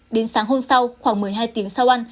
đến sáng hôm sau khoảng một mươi hai tiếng sau ăn